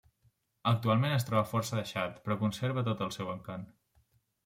Actualment es troba força deixat, però conserva tot el seu encant.